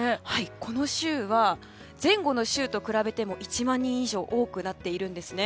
この週は前後の週と比べても１万人以上多くなっているんですね。